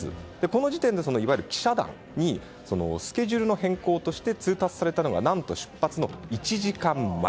この時点で、いわゆる記者団にスケジュールの変更として通達されたのが何と出発の１時間前。